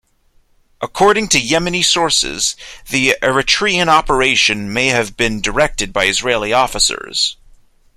According to Yemeni sources, the Eritrean operation may have been directed by Israeli officers.